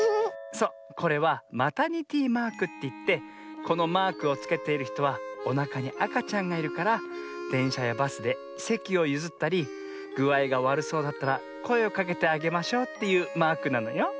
そうこれはマタニティマークっていってこのマークをつけているひとはおなかにあかちゃんがいるからでんしゃやバスでせきをゆずったりぐあいがわるそうだったらこえをかけてあげましょうというマークなのよ。